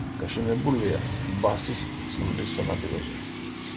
გაშენებულია ბასის სრუტის სანაპიროზე.